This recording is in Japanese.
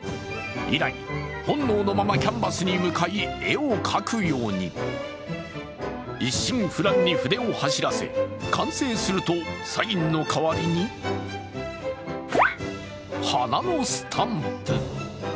以来、本能のままキャンバスに向かい絵を描くように一心不乱に筆を走らせ、完成するとサインの代わりに鼻のスタンプ。